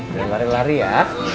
udah lari lari ya